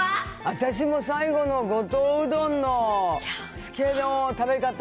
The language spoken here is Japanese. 私も最後の五島うどんのつけうどんの食べ方。